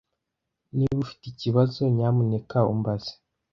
Niba ufite ikibazo, nyamuneka umbaze.